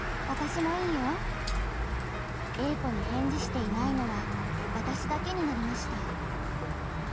Ａ子に返事していないのはわたしだけになりました。